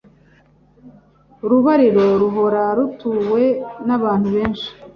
Urubariro ruhora rutuwe nabantu benshi